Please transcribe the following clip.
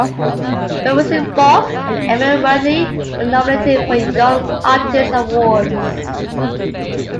Fairuza Balk and Emma Ridley were nominated for Young Artist Awards.